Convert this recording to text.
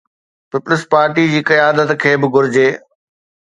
Peoples party جي قيادت کي به گهرجي.